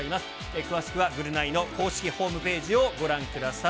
詳しくはぐるナイの公式ホームページをご覧ください。